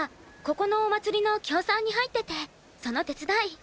ここのお祭りの協賛に入っててその手伝い。